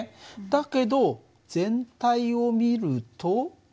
だけど全体を見ると。